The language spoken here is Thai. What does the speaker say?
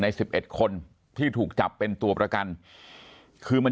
ใน๑๑คนที่ถูกจับเป็นตัวประกันคือมัน